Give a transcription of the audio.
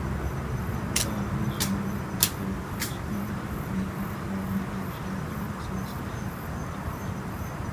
ئائىلە زۇلمىنى بىر تەرەپ قىلىش ئەنگلىيە ھۆكۈمىتىنىڭ ئالدىن ئويلىشىدىغان مەسىلىسى ئىكەن.